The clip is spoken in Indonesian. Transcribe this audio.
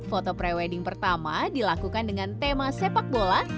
foto pre wedding pertama dilakukan dengan tema sepak bola